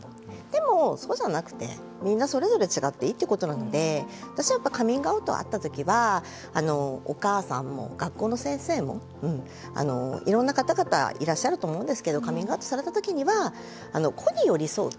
でもそうじゃなくてみんなそれぞれ違っていいってことなので私はカミングアウトあった時はお母さんも学校の先生もいろんな方々いらっしゃると思うんですけどカミングアウトされた時には個に寄り添う。